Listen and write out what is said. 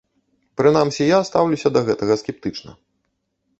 Прынамсі я стаўлюся да гэтага скептычна.